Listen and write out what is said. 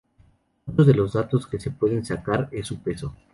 Otro de los datos que se pueden sacar es su peso.